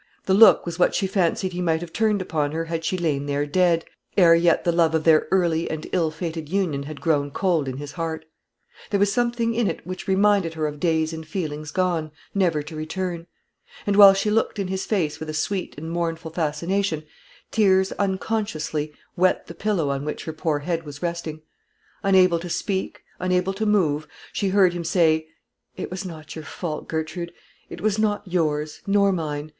The look was what she fancied he might have turned upon her had she lain there dead, ere yet the love of their early and ill fated union had grown cold in his heart. There was something in it which reminded her of days and feelings gone, never to return. And while she looked in his face with a sweet and mournful fascination, tears unconsciously wet the pillow on which her poor head was resting. Unable to speak, unable to move, she heard him say "It was not your fault, Gertrude it was not yours, nor mine.